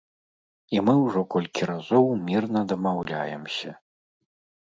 І мы ўжо колькі разоў мірна дамаўляемся.